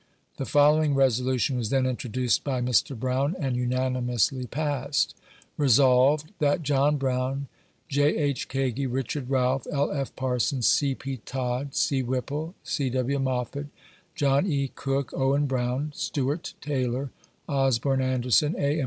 The following resolution was then introduced by Mr. Brown, and unani mously passed :— Resolved, That John Brown, J. H. Kagi, Richard Realf, L. P. Parsons, C. P. Todd, C. Whipple, C. W. Moffit, John E. Cook, Owen Brown, Stew art Taylor, Osborn Anderson, A. M.